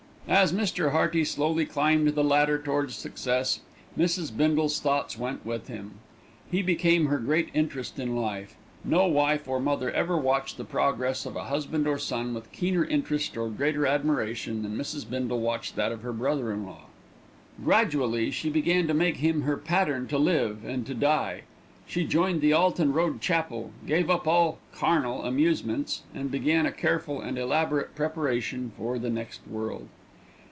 As Mr. Hearty slowly climbed the ladder towards success, Mrs. Bindle's thoughts went with him. He became her great interest in life. No wife or mother ever watched the progress of husband or son with keener interest or greater admiration than Mrs. Bindle watched that of her brother in law. Gradually she began to make him her "pattern to live and to die." She joined the Alton Road Chapel, gave up all "carnal" amusements, and began a careful and elaborate preparation for the next world.